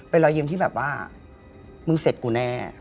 เป็นรอยยิ้มที่แบบว่ามึงเสร็จกูแน่